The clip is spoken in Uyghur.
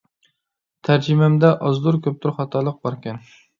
تەرجىمەمدە ئازدۇر-كۆپتۇر خاتالىق باركەن.